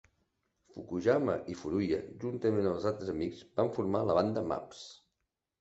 Fukuyama i Furuya, juntament amb altres amics, van formar la banda Maps.